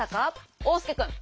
おうすけくん。